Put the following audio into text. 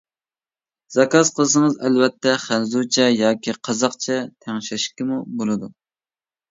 زاكاز قىلسىڭىز ئەلۋەتتە خەنزۇچە ياكى قازاقچە تەڭشەشكىمۇ بولىدۇ.